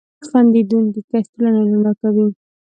• خندېدونکی کس ټولنه رڼا کوي.